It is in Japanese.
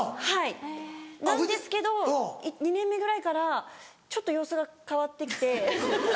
はいなんですけど２年目ぐらいからちょっと様子が変わって来て。